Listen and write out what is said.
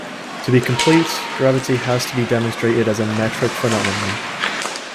To be complete, gravity has to be demonstrated as a metric phenomenon.